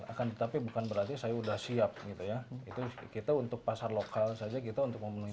akan tetapi bukan berarti saya udah siap gitu ya itu kita untuk pasar lokal saja kita untuk memenuhi